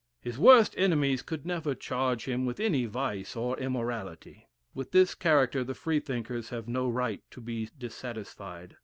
His worst enemies could never charge him with any vice or immorality." With this character the Freethinkers have no right to be dissatisfied.